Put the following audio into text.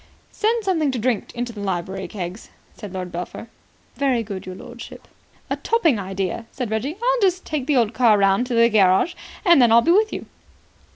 "Send something to drink into the library, Keggs," said Lord Belpher. "Very good, your lordship." "A topping idea," said Reggie. "I'll just take the old car round to the garage, and then I'll be with you."